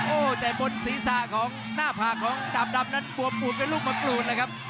โอ้โหแต่บนศีรษะของหน้าผากของดาบดำนั้นบวมปูดเป็นลูกมะกรูดเลยครับ